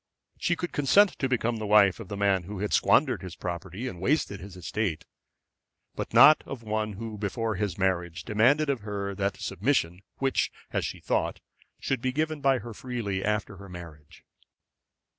She could consent to become the wife of the man who had squandered his property and wasted his estate; but not of one who before his marriage demanded of her that submission which, as she thought, should be given by her freely after her marriage.